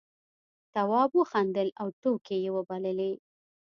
تواب وخندل او ټوکې یې وبللې.